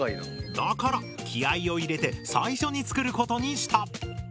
だから気合いを入れて最初に作ることにした。